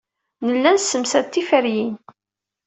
Nella nessemsad tiferyin.